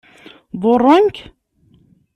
Ḍurren-k?